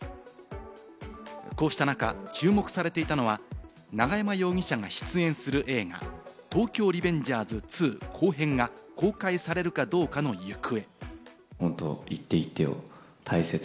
こうした中、注目されていたのは、永山容疑者が出演する映画『東京リベンジャーズ２』後編が公開されるかどうかの行方。